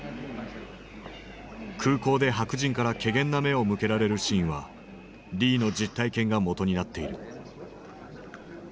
空港で白人から怪訝な目を向けられるシーンはリーの実体験が元になっている。